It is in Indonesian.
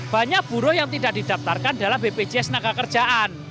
banyak buruh yang tidak didaptarkan dalam bpjs naga kerjaan